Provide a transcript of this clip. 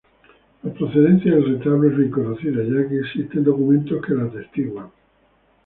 La procedencia del retablo es bien conocida, ya que existen documentos que la atestiguan.